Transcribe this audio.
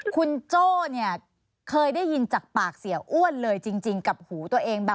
คุณโจ้เนี่ยเคยได้ยินจากปากเสียอ้วนเลยจริงกับหูตัวเอง